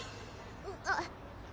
あっ。